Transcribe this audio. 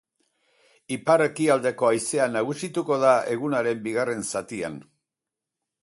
Ipar-ekialdeko haizea nagusituko da egunaren bigarren zatian.